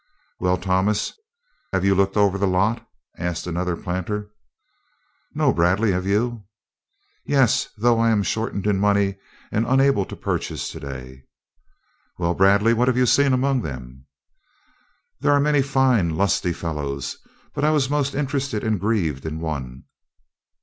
"Well, Thomas, have you looked over the lot?" asked another planter. "No, Bradley, have you?" "Yes, though I am shortened in money, and unable to purchase to day." "Well, Bradley, what have you seen among them?" "There are many fine, lusty fellows; but I was most interested and grieved in one."